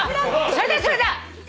それだそれだ！